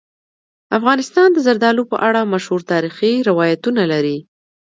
افغانستان د زردالو په اړه مشهور تاریخی روایتونه لري.